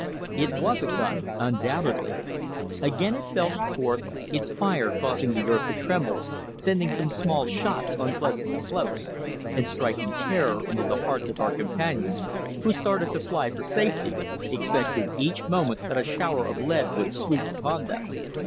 It was a gun undoubtedly. Again it belched forth, its fire causing the earth to tremble, sending some small shots unpleasantly close, and striking terror into the hearts of our companions, who started to fly for safety, expecting each moment that a shower of lead would sweep upon them.